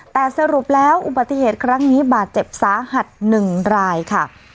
แต่สรุปแล้วอุบัติเหตุครั้งนี้บาดเจ็บสาหัส๑รายค่ะ